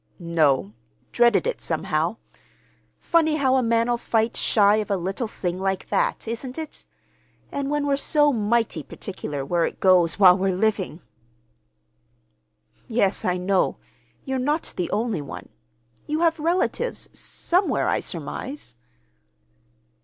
"No. Dreaded it, somehow. Funny how a man'll fight shy of a little thing like that, isn't it? And when we're so mighty particular where it goes while we're living!" "Yes, I know; you're not the only one. You have relatives—somewhere, I surmise."